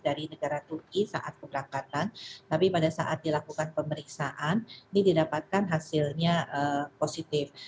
dari negara turki saat keberangkatan tapi pada saat dilakukan pemeriksaan ini didapatkan hasilnya positif